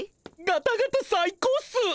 ガタガタ最高っす！